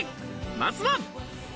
まずは。